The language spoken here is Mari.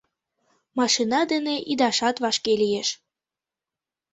Машина дене ӱдашат вашке лиеш.